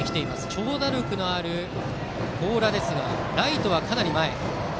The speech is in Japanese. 長打力のある高良ですがライトはかなり前。